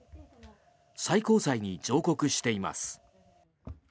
最高裁に上告しています。